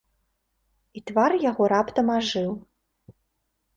І твар яго раптам ажыў.